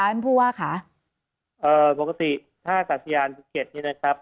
มันพูดว่าค่ะเอ่อปกติถ้าสัญญาณสุขเกตนี้นะครับ